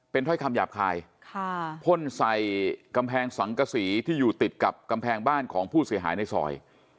ถ้อยคำหยาบคายพ่นใส่กำแพงสังกษีที่อยู่ติดกับกำแพงบ้านของผู้เสียหายในซอย